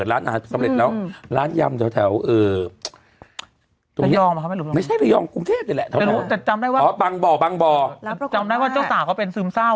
รับนะว่าเจ้าสาวเขาเป็นซึมเศร้า